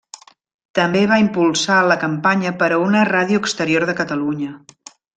També va impulsar la campanya per a una Ràdio Exterior de Catalunya.